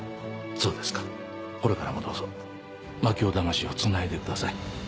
そうですかこれからもどうぞ槙尾魂をつないでください。